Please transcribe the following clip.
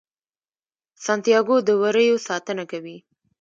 سانتیاګو د وریو ساتنه کوي.